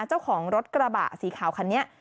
เจ้าของรถกระบะสีขาวคันนี้